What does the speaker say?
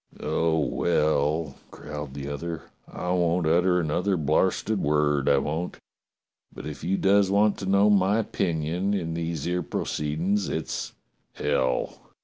"Oh, well," growled the other, "I won't utter another blarsted word, I won't. But if you does want to know my opinion in these 'ere proceedin's, it's — hell